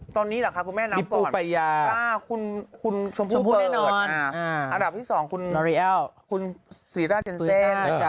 ตอนนี้หรือคะคุณแม่น้ำก่อนคุณชมพูดเปิดอาหาราบที่สองคุณสรีต้าเจนเซน